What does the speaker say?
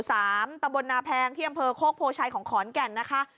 ตำบลนาแพงที่อำเภอโคกโพชัยของขอนแก่นนะคะ